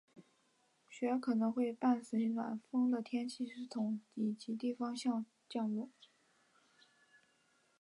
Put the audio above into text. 雪可能会伴随着暖锋的天气系统里向极地方向降落。